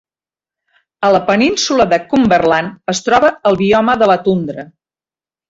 A la península de Cumberland es troba el bioma de la tundra.